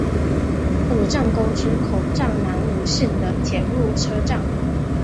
武藏沟之口站南武线的铁路车站。